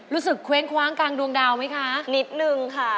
เคว้งคว้างกลางดวงดาวไหมคะนิดนึงค่ะ